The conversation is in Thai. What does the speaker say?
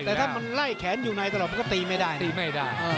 อเจมส์แต่ถ้ามันไล่แข้นไปอยู่ในตลอดมันก็ตีไม่ได้